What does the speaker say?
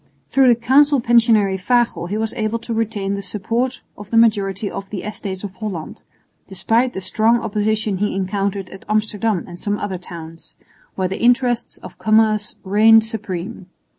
Through the Council Pensionary Fagel he was able to retain the support of the majority in the Estates of Holland, despite the strong opposition he encountered at Amsterdam and some other towns, where the interests of commerce reigned supreme.